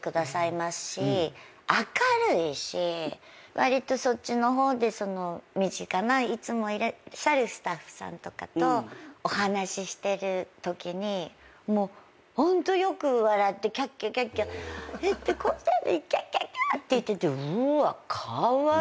割とそっちの方で身近ないつもいらっしゃるスタッフさんとかとお話ししてるときにホントよく笑ってキャッキャキャッキャ「えっキャッキャッキャ」って言っててうっわカワイイ！とか。